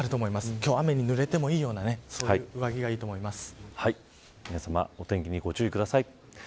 今日は雨に濡れてもいい上着が皆さまお天気にご注意ください。